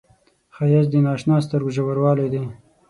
ښایست د نااشنا سترګو ژوروالی دی